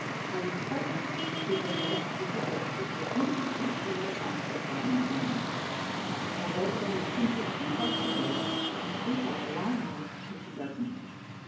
I was quite anxious to see whether the Happy Forgetters would make any attempt to light up their cavernous homes, or whether they would simply creep off to bed and sleep out the long hours of pitchy darkness.